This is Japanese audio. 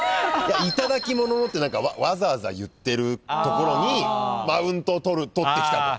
「いただきものの」ってわざわざ言ってるところにマウントをとってきたとか。